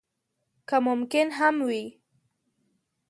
که ممکن هم وي.